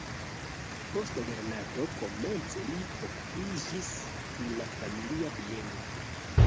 Post lernado komence li okupiĝis kun la familia bieno.